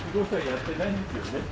やってないんです。